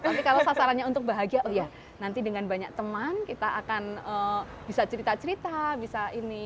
nanti kalau sasarannya untuk bahagia oh iya nanti dengan banyak teman kita akan bisa cerita cerita bisa ini